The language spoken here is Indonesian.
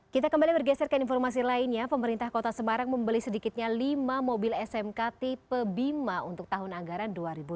kita kembali bergeser ke informasi lainnya pemerintah kota semarang membeli sedikitnya lima mobil smk tipe bima untuk tahun anggaran dua ribu delapan belas